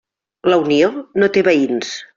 La Unió no té veïns.